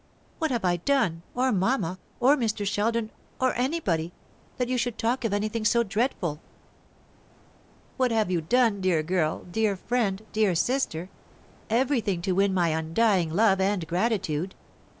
What have I done, or mamma, or Mr. Sheldon, or anybody, that you should talk of anything so dreadful?" "What have you done, dear girl, dear friend, dear sister? Everything to win my undying love and gratitude.